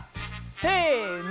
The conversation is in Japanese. せの！